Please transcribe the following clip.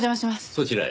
そちらへ。